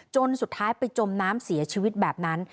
จนสุดท้ายไปจมน้ำเสียชีวิตแบบนั้น